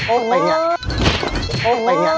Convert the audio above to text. โอ้โฮ